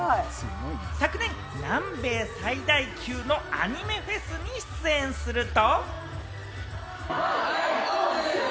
昨年、南米最大級のアニメフェスに出演すると。